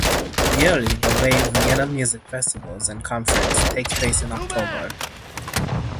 Yearly the Waves Vienna Music Festival and Conference takes place in October.